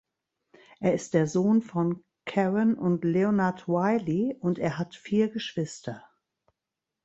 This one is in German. Er ist der Sohn von Karen und Leonard Wylie, und er hat vier Geschwister.